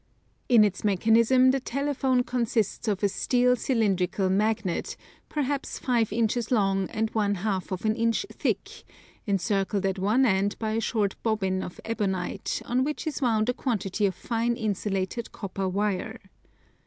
In its mechanism the telephone consists of a steel cylindrical magnet, perhaps five inches long and one half of an inch thick, encircled at one end by a short bobbin of ebonite, on which is wound a quantity of fine insulated copper wire.